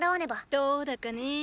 どーだかね。